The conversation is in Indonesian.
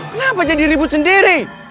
kenapa jadi ribut sendiri